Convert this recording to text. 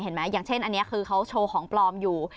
อย่างเช่นอันนี้คือเขาโชว์ของปลอมอยู่